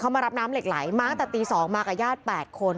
มารับน้ำเหล็กไหลมาตั้งแต่ตี๒มากับญาติ๘คน